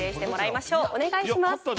お願いします。